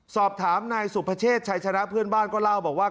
สอบถามนายสุพเชษชัยชนะเพื่อนบ้านก็เล่าบอกว่า